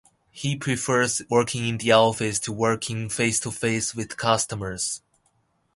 He prefers working in the office to working face-to-face with customers.